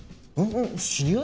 知り合い？